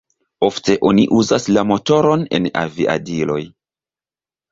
Ofte oni uzas la motoron en aviadiloj.